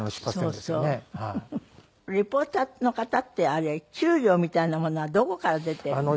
リポーターの方ってあれ給料みたいなものはどこから出ているの？